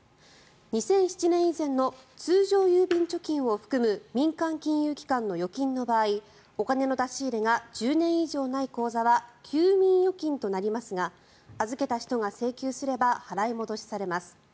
２００７年以前の通常郵便貯金を含む民間金融機関の預金の場合お金の出し入れが１０年以上ない口座は休眠預金となりますが預けた人が請求すれば払い戻しされます。